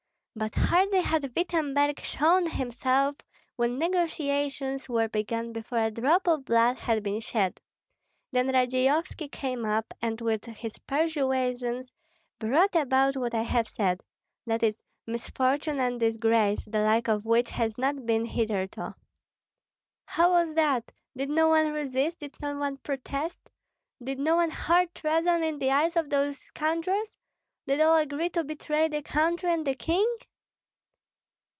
But hardly had Wittemberg shown himself when negotiations were begun before a drop of blood had been shed. Then Radzeyovski came up, and with his persuasions brought about what I have said, that is, misfortune and disgrace, the like of which has not been hitherto." "How was that? Did no one resist, did no one protest? Did no one hurl treason in the eyes of those scoundrels? Did all agree to betray the country and the king?"